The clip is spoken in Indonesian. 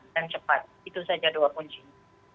dan cepat itu saja dua kuncinya